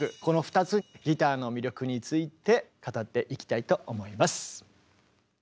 この２つギターの魅力について語っていきたいと思います。